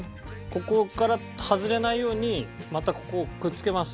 ここから外れないようにまたここをくっつけます。